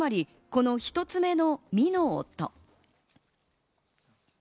つまり、この１つ目の「ミ」の音。